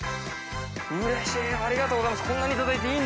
うれしいありがとうございます